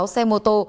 sáu xe mô tô